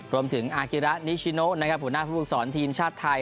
รวมถึงอากิระนิชโน้นผู้หน้าผู้ฟูกษรทีมชาติไทย